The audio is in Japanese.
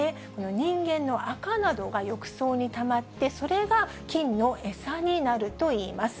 人間のあかなどが浴槽にたまって、それが菌の餌になるといいます。